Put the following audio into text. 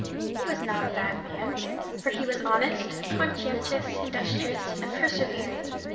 He was not a bad man, for he was honest, conscientious, industrious, and persevering.